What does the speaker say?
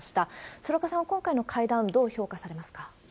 鶴岡さん、今回の会談、どう評価されますか？